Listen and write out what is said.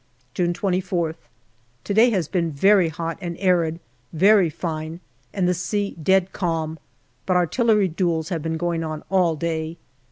June 24>th. To day has been very hot and arid, very fine, and the sea dead calm, but artillery duels have been going on all day.